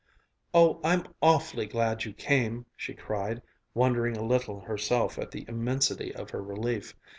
"Oh, I'm awfully glad you came!" she cried, wondering a little herself at the immensity of her relief.